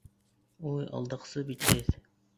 Уй, алдаҡсы, битһеҙ!